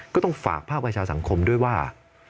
ก็ต้องฝากภาคประชาสังคมด้วยว่า